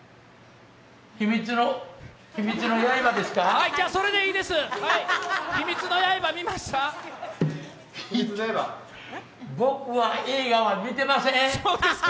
「鬼滅の刃」ですか？